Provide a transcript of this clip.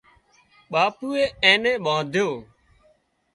ٻاپوئي اين نين ٻانڌيو